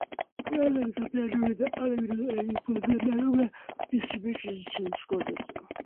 The island disappeared during the Early Middle Ages, when the Danube's distributaries changed courses.